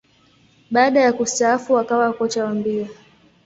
Baada ya kustaafu, akawa kocha wa mbio.